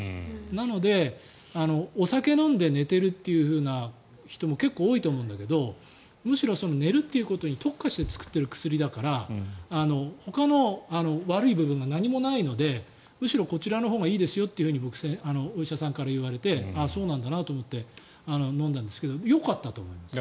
なので、お酒を飲んで寝ているという人も結構、多いと思うんだけどむしろ寝るということに特化して作っている薬だからほかの悪い部分が何もないのでむしろこちらのほうがいいですよと僕、お医者さんから言われてああ、そうなんだなと思って飲んだんですけどよかったと思います。